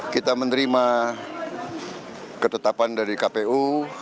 kita menerima ketetapan dari kpu